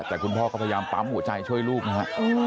แต่คุณพ่อก็พยายามปั๊มหัวใจช่วยลูกนะฮะ